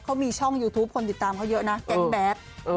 เขามีช่องยูทูปคนติดตามเขาเยอะนะแก๊งแบด